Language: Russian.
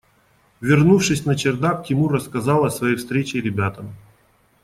Вернувшись на чердак, Тимур рассказал о своей встрече ребятам.